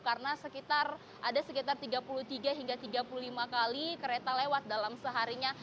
karena ada sekitar tiga puluh tiga hingga tiga puluh lima kali kereta lewat dalam seharinya